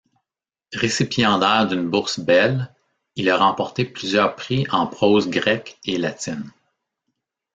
Récipiendaire d'une bourse Bell, il a remporté plusieurs prix en prose grecque et latine.